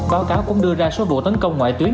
báo cáo cũng đưa ra số vụ tấn công ngoại tuyến